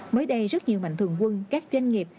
mới đây rất nhiều mạnh thường quân các doanh nghiệp